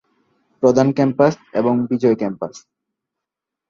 প্রধান ক্যাম্পাস এবং বিজয় ক্যাম্পাস।